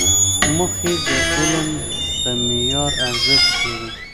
موخې د علم د معیار ارزښت لري.